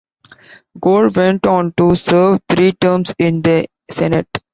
Gore went on to serve three terms in the Senate.